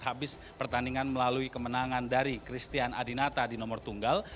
habis pertandingan melalui kemenangan dari christian adinata di nomor tunggal